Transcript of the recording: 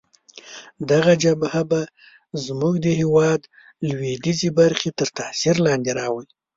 دغه جبهه به زموږ د هیواد لویدیځې برخې تر تاثیر لاندې راولي.